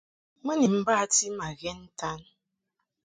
Mɨ ni bati ma ghɛn ntan.